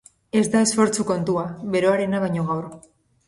Ez da esfortzu kontua, beroarena baino gaur.